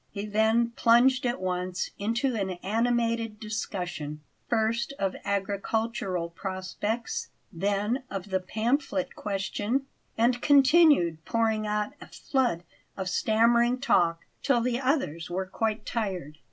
He then plunged at once into an animated discussion, first of agricultural prospects, then of the pamphlet question; and continued pouring out a flood of stammering talk till the others were quite tired.